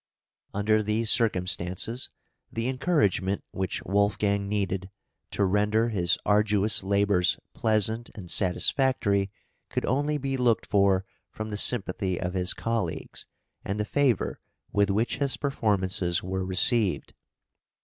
Under these circumstances, the encouragement which Wolfgang needed to render his arduous labours pleasant and satisfactory could only be looked for from the sympathy of his colleagues, and the favour with which his performances were received.